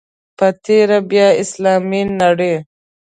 په تېره بیا اسلامي نړۍ.